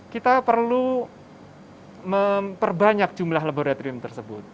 kita perlu memperbanyak jumlah laboratorium tersebut